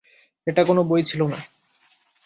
এটা কোন বই ছিল না।